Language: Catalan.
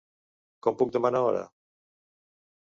Com puc demanar hora?